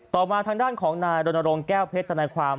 ต่อมาทางด้านของนายโดนโรงแก้วเพชรธนาความ